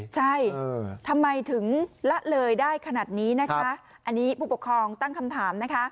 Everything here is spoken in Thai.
ใช่ทำไมถึงละเลยได้ขนาดนี้นะคะอันนี้ผู้ปกครองตั้งคำถามนะคะ